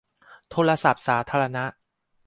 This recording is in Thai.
โทรศัพท์สาธารณะ